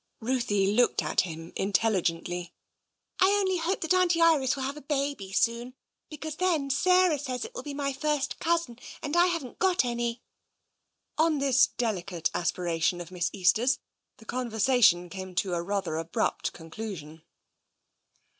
Ruthie looked at him intelligently. " I only hope that Auntie Iris will have a baby soon, because then Sarah says it will be my first cousin, and I haven't got any." On this delicate aspiration of Miss Easter's the con versation came to a rather abrupt conclusion.